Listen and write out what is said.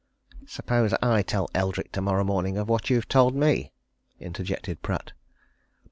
"Suppose I tell Eldrick tomorrow morning of what you've told me?" interjected Pratt.